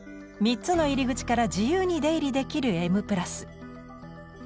３つの入り口から自由に出入りできる「Ｍ＋」。